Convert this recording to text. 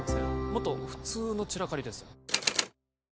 もっと普通の散らかりです